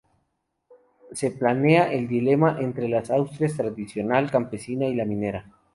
Se plantea el dilema entre la Asturias tradicional campesina y la minera.